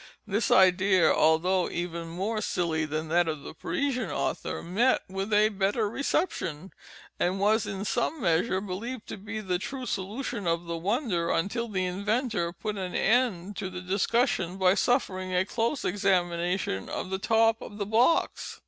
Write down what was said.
This idea, although even more silly than that of the Parisian author, met with a better reception, and was in some measure believed to be the true solution of the wonder, until the inventor put an end to the discussion by suffering a close examination of the top of the box.